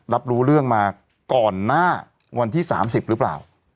รับรู้เรื่องมาก่อนหน้าวันที่๓๐หรือเปล่า